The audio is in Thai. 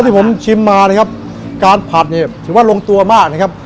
ที่ผมชิมมานะครับการผัดเนี่ยถือว่าลงตัวมากนะครับ